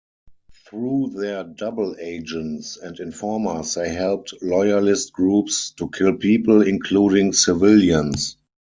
Through their double-agents and informers, they helped loyalist groups to kill people, including civilians.